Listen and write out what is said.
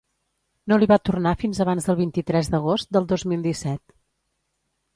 No li va tornar fins abans del vint-i-tres d’agost del dos mil disset.